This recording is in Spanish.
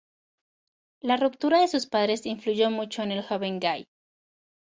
La ruptura de sus padres influyó mucho en el joven Guy.